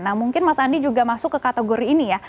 nah mungkin mas andi juga masuk ke kategori ini ya